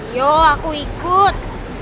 yuk aku ikut